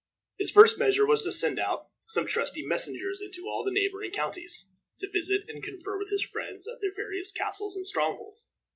His first measure was to send out some trusty messengers into all the neighboring counties, to visit and confer with his friends at their various castles and strong holds.